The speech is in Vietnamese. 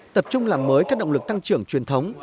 tập trung làm mới các động lực tăng trưởng truyền thống